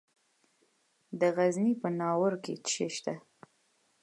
د غزني په ناوور کې څه شی شته؟